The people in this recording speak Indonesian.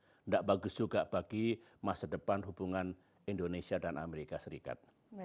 tidak bagus juga bagi masa depan hubungan indonesia dan amerika serikat